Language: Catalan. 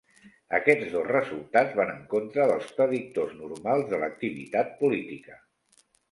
Aquests dos resultats van en contra dels predictors normals de l'activitat política.